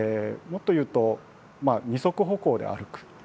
もっと言うと二足歩行で歩く。